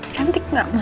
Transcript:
cantik gak ma